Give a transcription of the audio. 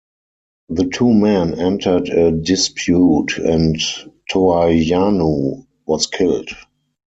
The two men entered a dispute, and Toayahnu was killed.